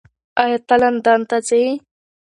ایا ته لندن ته ځې؟